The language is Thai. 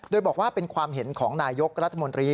โดยบอกว่าเป็นความเห็นของนายยกรัฐมนตรี